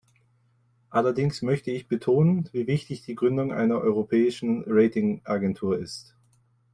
Allerdings möchte ich betonen, wie wichtig die Gründung einer europäischen Ratingagentur ist.